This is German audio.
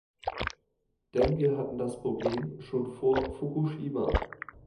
Denn wir hatten das Problem schon vor Fukushima.